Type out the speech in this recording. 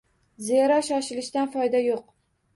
Zero, shoshilishdan foyda yo‘q.